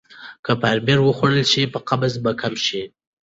که فایبر وخوړل شي قبض به کمه شي.